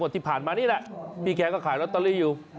ที่ผ่านมานี่แหละพี่แกก็ขายลอตเตอรี่อยู่